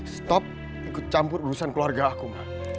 stop ikut campur urusan keluarga aku